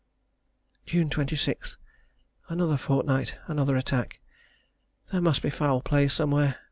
June 26. Another fortnight another attack. There must be foul play somewhere.